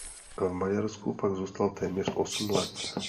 V Maďarsku pak zůstal téměř osm let.